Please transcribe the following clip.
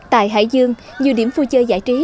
tại hải dương nhiều điểm vui chơi giải trí